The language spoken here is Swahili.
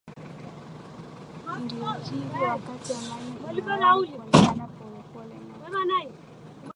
ndio hivi wakati amani inawahi kuonekana pole pole na ka